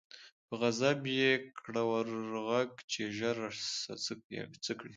په غضب یې کړه ور ږغ چي ژر سه څه کړې